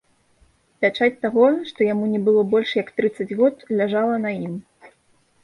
Пячаць таго, што яму не было больш як трыццаць год, ляжала на ім.